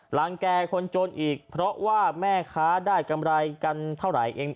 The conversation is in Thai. หลังแก่คนจนอีกเพราะว่าแม่ค้าได้กำไรกันเท่าไหร่เอง